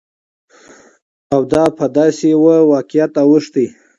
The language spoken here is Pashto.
او دا په داسې يوه واقعيت اوښتى،